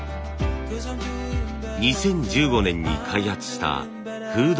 ２０１５年に開発したフードピック。